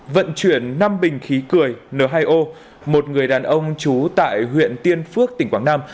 vận chuyển năm bình khí cười n hai o một người đàn ông trú tại huyện tiên phước tỉnh quảng nam